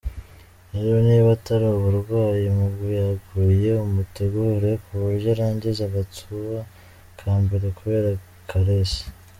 Rero niba atari uburwayi muguyaguye umutegure kuburyo arangiza agatour ka mbere kubera caresse.